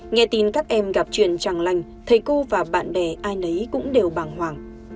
nghe tin các em gặp chuyện chẳng lành thầy cô và bạn bè ai nấy cũng đều bảng hoảng